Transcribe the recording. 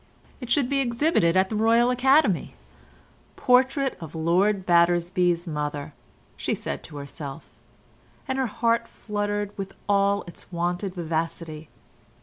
It should be exhibited at the Royal Academy: 'Portrait of Lord Battersby's mother,' she said to herself, and her heart fluttered with all its wonted vivacity.